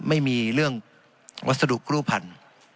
ไม่มีเรื่องวัสดุกรูปพันธุ์